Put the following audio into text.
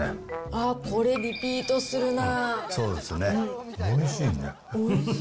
あっ、これ、リピートするな。